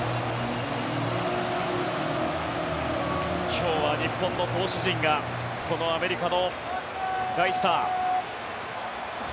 今日は日本の投手陣がこのアメリカの大スタート